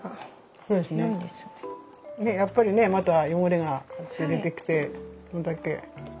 やっぱりねまだ汚れが出てきてこんだけ。